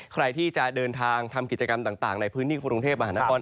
ใครที่จะเดินทางทำกิจกรรมต่างในพื้นที่กรุงเทพมหานคร